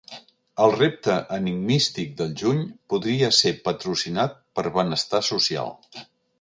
El repte enigmístic del juny podria ser patrocinat per Benestar Social.